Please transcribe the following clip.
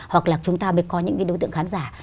hoặc là chúng ta mới có những cái đối tượng khán giả